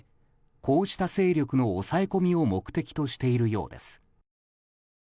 こうした勢力の抑え込みを目的としているようです。